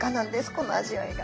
この味わいが。